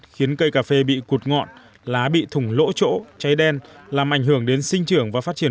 khiến cây cà phê bị cụt ngọn lá bị thủng lỗ chỗ cháy đen làm ảnh hưởng đến sinh trưởng và phát triển